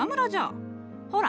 ほら。